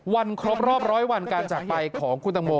ครบรอบร้อยวันการจากไปของคุณตังโม